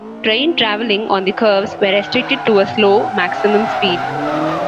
Train travelling on the curves were restricted to a slow maximum speed.